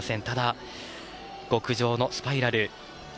ただ、極上のスパイラル。